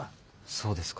そうですか。